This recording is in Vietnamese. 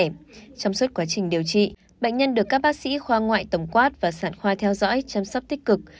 trong suốt quá trình điều trị bệnh nhân được các bác sĩ khoa ngoại tổng quát và sản khoa theo dõi chăm sóc tích cực